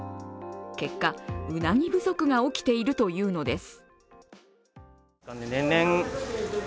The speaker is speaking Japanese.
結果、うなぎ不足が起きているというのです。